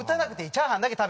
チャーハンだけ食べに。